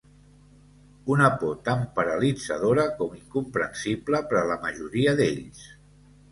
Una por tan paralitzadora com incomprensible per a la majoria d'ells.